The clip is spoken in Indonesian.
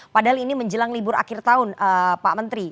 padahal ini menjelang libur akhir tahun pak menteri